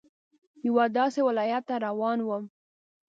یوه داسې ولايت ته روان وم.